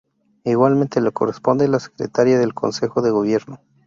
Igualmente le corresponde la Secretaría del Consejo de Gobierno.